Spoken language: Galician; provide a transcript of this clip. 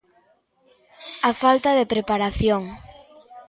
A falta de preparación.